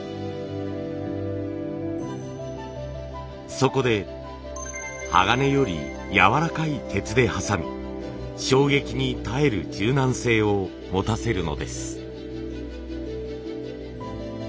そこで鋼よりやわらかい鉄で挟み衝撃に耐える柔軟性を持たせるのです。